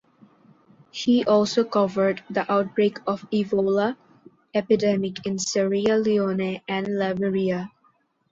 He also covered the outbreak of Ebola epidemic in Sierra Leone and Liberia.